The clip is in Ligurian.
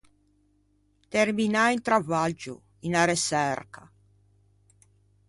Terminâ un travaggio, unna reçerca.